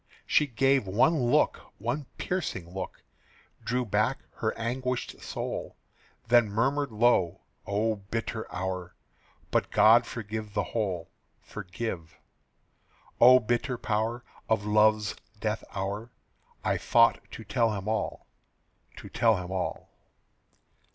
She gave one look, one piercing look, Drew back her anguished soul, Then murmured low, "O bitter hour! But God forgive the whole Forgive O bitter power Of love's death hour, I thought to tell him all, To tell him all."